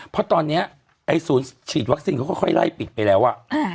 เพราะตอนนี้ไอ้ศูนย์ฉีดวัคซีนเขาค่อยไล่ปิดไปแล้ว